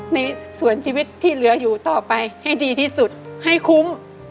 ในส่วนชีวิตที่เหลืออยู่ต่อไปให้ดีที่สุดให้คุ้ม